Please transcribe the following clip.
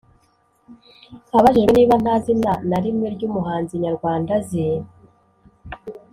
Abajijwe niba nta zina na rimwe ry’umuhanzi nyarwanda azi